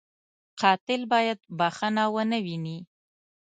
قاتل باید بښنه و نهويني